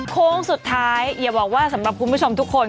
โค้งสุดท้ายอย่าบอกว่าสำหรับคุณผู้ชมทุกคน